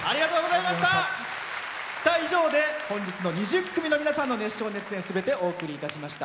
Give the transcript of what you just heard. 以上で本日の２０組の皆さんの熱唱・熱演すべてお送りいたしました。